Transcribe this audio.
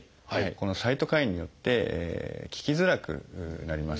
このサイトカインによって効きづらくなります。